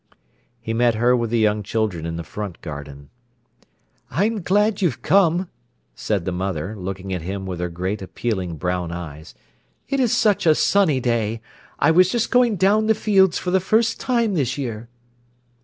He met her with the young children in the front garden. "I'm glad you've come," said the mother, looking at him with her great appealing brown eyes. "It is such a sunny day. I was just going down the fields for the first time this year."